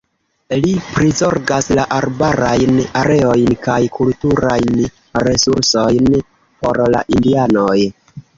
Li prizorgas la arbarajn areojn kaj kulturajn resursojn por la indianoj.